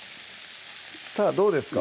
さぁどうですか？